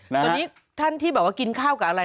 ตอนนี้ท่านที่แบบว่ากินข้าวกับอะไร